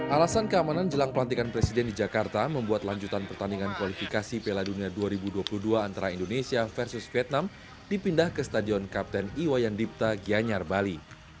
alasan keamanan jelang pelantikan presiden di jakarta membuat lanjutan pertandingan kualifikasi piala dunia dua ribu dua puluh dua antara indonesia versus vietnam dipindah ke stadion kapten iwayandipta gianyar bali